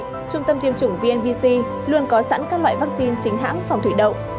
trung tâm tiêm chủng vnvc luôn có sẵn các loại vaccine chính hãng phòng thủy đậu